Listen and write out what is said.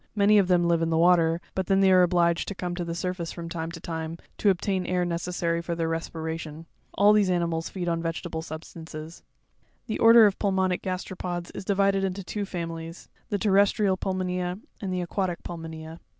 Many of them live in the water; but then they are obliged to come to the surface from time to time, to obtain air necessary for their respiration, All these animals feed on vege table substances, 10. The order of pulmonic gasteropods is divided into two families ; the terrestrial pulmonea, and the aquatic pulmonea.